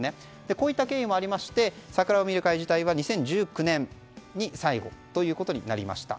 こういった経緯もありまして桜を見る会自体は２０１９年に最後ということになりました。